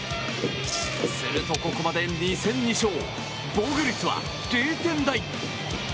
するとここまで２点２勝、防御率は０点台。